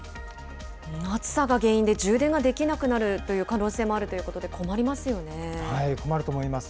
暑さが原因で充電ができなくなるという可能性もあるというこ困ると思います。